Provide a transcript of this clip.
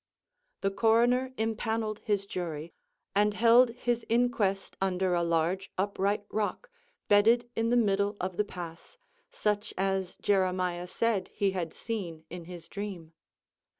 The coroner impaneled his jury, and held his inquest under a large upright rock, bedded in the middle of the pass, such as Jeremiah said he had seen in his dream.